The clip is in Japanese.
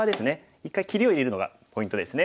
一回切りを入れるのがポイントですね。